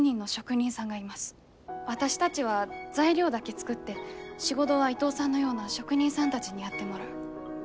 私たちは材料だけ作って仕事は伊藤さんのような職人さんたちにやってもらう。